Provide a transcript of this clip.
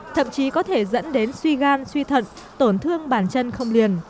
thậm chí có thể dẫn đến suy gan suy thận tổn thương bản chân không liền